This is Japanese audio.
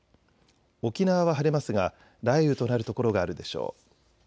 沖縄は晴れますが雷雨となる所があるでしょう。